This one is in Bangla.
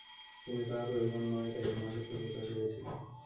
কিন্তু তাহা তো হইবার নয়, তাই এই মহাশক্তির প্রকাশ হইয়াছিল।